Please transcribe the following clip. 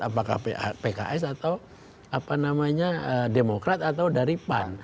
apakah pks atau apa namanya demokrat atau dari pan